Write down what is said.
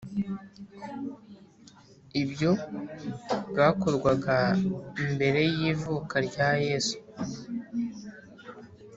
Ibyo bwakorwaga mbere y’ivuka rya Yezu